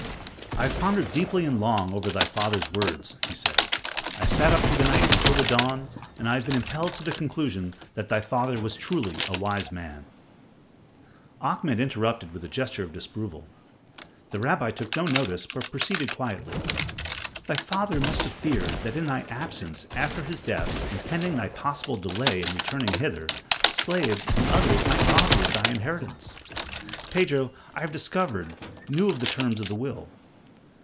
"I have pondered deeply and long over thy father's words," he said. "I sat up through the night until the dawn, and I have been impelled to the conclusion that thy father was truly a wise man." Ahmed interrupted with a gesture of disapproval. The rabbi took no notice but proceeded quietly: "Thy father must have feared that in thy absence after his death and pending thy possible delay in returning hither, slaves and others might rob thee of thy inheritance. Pedro, I have discovered, knew of the terms of the will.